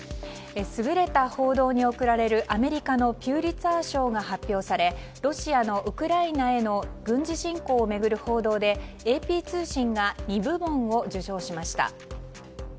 優れた報道に贈られるアメリカのピュリツァー賞が発表されロシアのウクライナへの軍事侵攻を巡る報道でＡＰ通信が２部門を受賞しました。